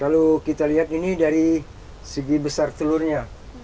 kalau kita lihat ini dari segi besar telurnya